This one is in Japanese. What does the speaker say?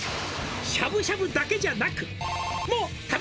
「しゃぶしゃぶだけじゃなく」